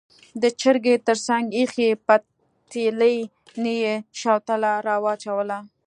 د چرګۍ تر څنګ ایښې پتیلې نه یې شوتله راواچوله.